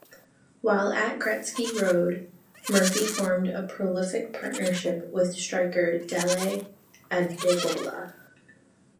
While at Gresty Road, Murphy formed a prolific partnership with striker Dele Adebola.